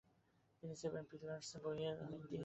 তিনি seven pillars বইয়ের আরেকটি সংস্করণ প্রস্তুত করেন।